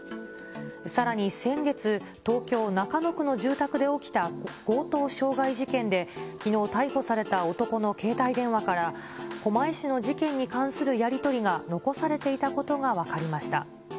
さらに先月、東京・中野区の住宅で起きた強盗傷害事件で、きのう逮捕された男の携帯電話から、狛江市の事件に関するやり取りが残されていたことが分かりました。